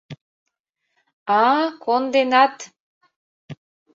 А-а, конденат!